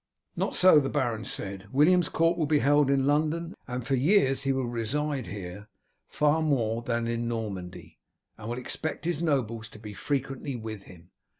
"Not so," the baron said; "William's court will be held in London, and for years he will reside here far more than in Normandy, and will expect his nobles to be frequently with him.